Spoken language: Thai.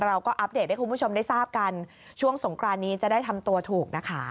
อัปเดตให้คุณผู้ชมได้ทราบกันช่วงสงครานนี้จะได้ทำตัวถูกนะคะ